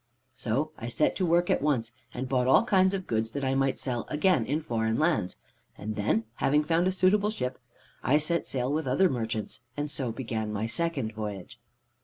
"So I set to work at once and bought all kinds of goods that I might sell again in foreign lands, and then, having found a suitable ship, I set sail with other merchants, and so began my second voyage.